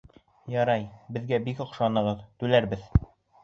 Ярай, беҙгә бик оҡшанығыҙ, түләрбеҙ.